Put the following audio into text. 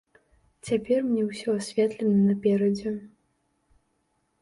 Цяпер мне ўсё асветлена наперадзе.